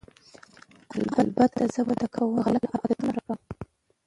البته زه به د کارکوونکو غلط عادتونه هم ورک کړم